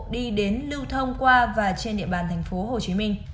đi đến lưu thông qua và trên địa bàn tp hcm